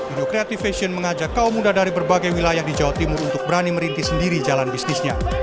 indo creative fashion mengajak kaum muda dari berbagai wilayah di jawa timur untuk berani merintis sendiri jalan bisnisnya